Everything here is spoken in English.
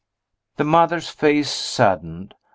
The mother's face saddened.